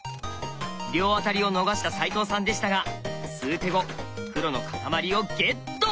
両アタリを逃した齋藤さんでしたが数手後黒のかたまりをゲット。